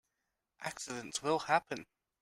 Accidents will happen.